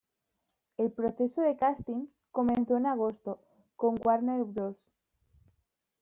El proceso de "casting" comenzó en agosto, con Warner Bros.